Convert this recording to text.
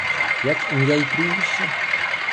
Як ім'я й прізвище?